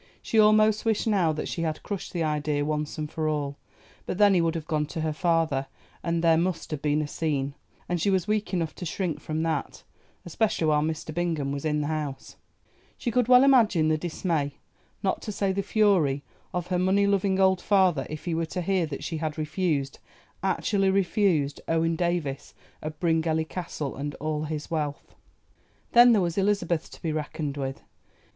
She almost wished now that she had crushed the idea once and for all. But then he would have gone to her father, and there must have been a scene, and she was weak enough to shrink from that, especially while Mr. Bingham was in the house. She could well imagine the dismay, not to say the fury, of her money loving old father if he were to hear that she had refused—actually refused—Owen Davies of Bryngelly Castle, and all his wealth. Then there was Elizabeth to be reckoned with.